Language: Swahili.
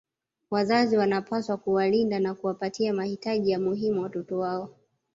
Wazazi wanawapaswa kuwalinda na kuwapatia mahitaji ya muhimu watoto wao